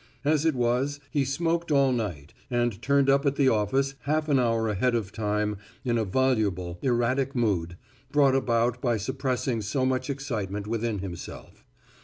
As it was, he smoked all night and turned up at the office half an hour ahead of time in a voluble, erratic mood, brought about by suppressing so much excitement within himself.